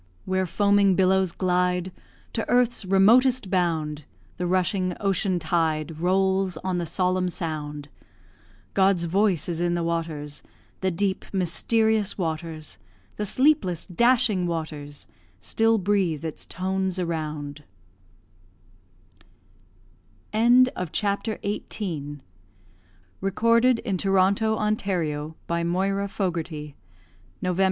Where foaming billows glide To earth's remotest bound; The rushing ocean tide Rolls on the solemn sound; God's voice is in the waters; The deep, mysterious waters, The sleepless, dashing waters, Still breathe its tones around. CHAPTER XIX THE "OULD DHRAGOON" [I am indebted to my husband for this sketch.